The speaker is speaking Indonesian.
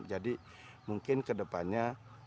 jadi mungkin ke depannya